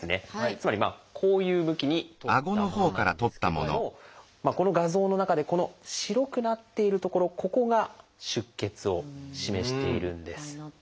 つまりこういう向きに撮ったものなんですけどもこの画像の中でこの白くなっている所ここが出血を示しているんです。